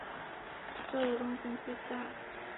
做的贡献最大。